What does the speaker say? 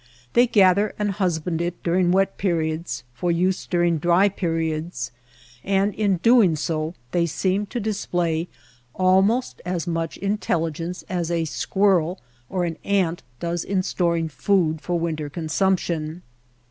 They gather and hus band it during wet periods for use during dry periods, and in doing so they seem to display almost as much intelligence as a squirrel or an ant does in storing food for winter consumption.